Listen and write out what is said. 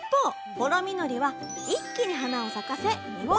ほろみのりは一気に花を咲かせ実をつけます。